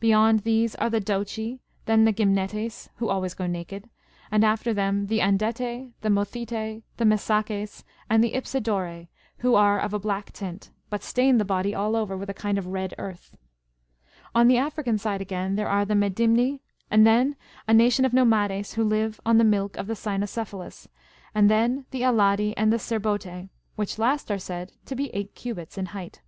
Beyond these are the Dochi, and then the Grymnetes, who always go naked ; and after them the Andetse, the MothitiB, the Mesaches, and the Ipsodorse, who are of a black tint, but stain the body all over with a kind of red earth. On the African side again there are the Medimni, and then a nation of j^omades, who live on the milk of the cynocephalus, and then the Aladi and the Syrbotse,^^ which last are said to be eight cubits in height.